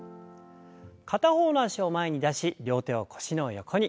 片方の脚を前に出し両手を腰の横に。